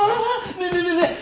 ねえねえねえねえ。